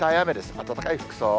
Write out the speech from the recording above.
暖かい服装を。